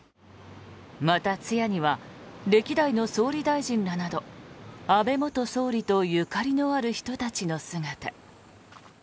また通夜には歴代の総理大臣らなど安倍元総理とゆかりのある人たちの姿。